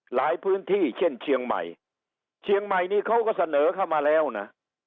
หลายพื้นที่เช่นเชียงใหม่เชียงใหม่นี่เขาก็เสนอเข้ามาแล้วนะ